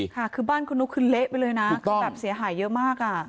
ค่ะคือบ้านคุณนุ๊กคือเละไปเลยนะคือแบบเสียหายเยอะมาก